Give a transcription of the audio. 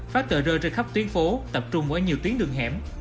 phát tờ rơi trên khắp tuyến phố tập trung ở nhiều tuyến đường hẻm